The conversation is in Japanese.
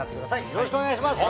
よろしくお願いします。